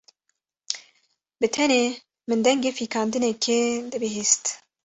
Bi tenê min dengê fîkandinekê dibihîst.